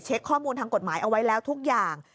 ข้อมูลทางกฎหมายเอาไว้แล้วทุกอย่าง